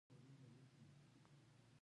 خوځښت پر یوه ستر اېتلاف بدل کړي.